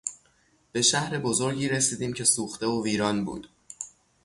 به شهر بزرگی رسیدیم که سوخته و ویران بود.